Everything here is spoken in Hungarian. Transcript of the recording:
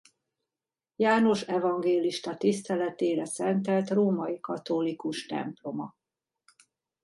János evangélista tiszteletére szentelt római katolikus temploma.